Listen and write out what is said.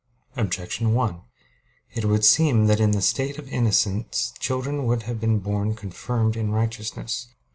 Objection 1: It would seem that in the state of innocence children would have been born confirmed in righteousness.